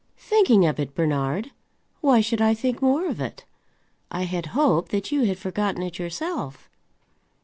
"Thinking of it, Bernard? Why should I think more of it? I had hoped that you had forgotten it yourself."